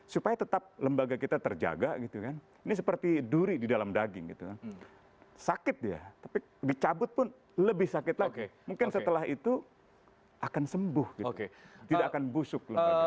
supaya tetap lembaga kita terjaga gitu kan ini seperti duri di dalam daging gitu sakit dia tapi dicabut pun lebih sakit lagi mungkin setelah itu akan sembuh gitu tidak akan busuk